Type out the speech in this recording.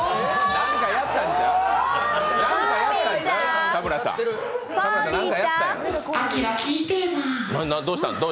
何かやったん、ちゃう？